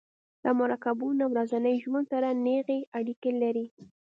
دا مرکبونه ورځني ژوند سره نیغې اړیکې لري.